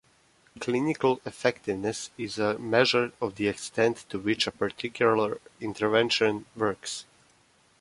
Clinical effectiveness is a measure of the extent to which a particular intervention works.